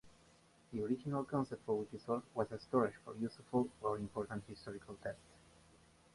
The original concept for Wikisource was as storage for useful or important historical texts.